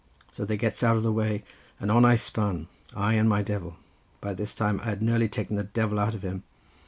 "So they gets out of the way, and on I spun, I and my devil. But by this time I had nearly taken the devil out of him.